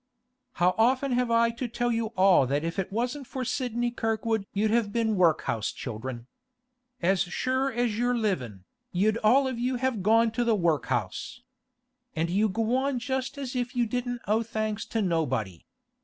'How often have I to tell you all that if it wasn't for Sidney Kirkwood you'd have been workhouse children? As sure as you're livin', you'd all of you have gone to the workhouse! And you go on just as if you didn't owe thanks to nobody.